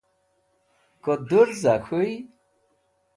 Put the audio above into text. ko durza k̃huy